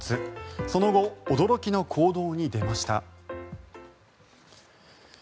その後、驚きの行動に出ました。